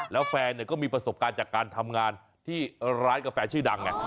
แล้วแฟนก็มีประสบการณ์จากการทำงานที่ร้านกาแฟชื่อดังไง